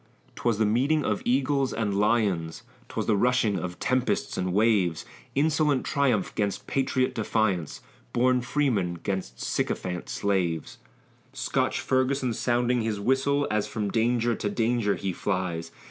'Twas the meeting of eagles and lions; 'Twas the rushing of tempests and waves; Insolent triumph 'gainst patriot defiance, Born freemen 'gainst sycophant slaves; Scotch Ferguson sounding his whistle, As from danger to danger he flies.